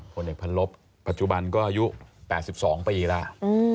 ผลเอกพันลบปัจจุบันก็อายุ๘๒ปีแล้ว